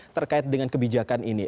terkait dengan kebijakan ini